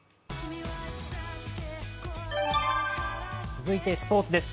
続いてスポーツです。